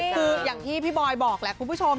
คืออย่างที่พี่บอยบอกแหละคุณผู้ชม